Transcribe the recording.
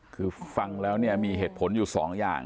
คือฟังแล้วเนี่ยมีเหตุผลอยู่สองอย่าง